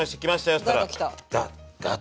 っつったらダッ！